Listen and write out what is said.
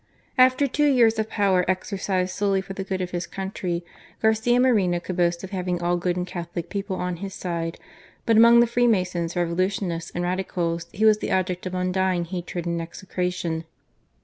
After two years of power exercised solely for the good of his country, Garcia Moreno could boast of having all good and Catholic people on his side; but among the Freemasons, Revolutionists, and Radicals, he was the object of undying hatred and execration.